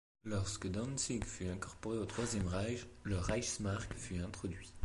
Lorsque Dantzig fut incorporée au troisième Reich, le Reichsmark fut introduit.